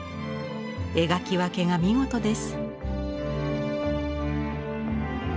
描き分けが見事です。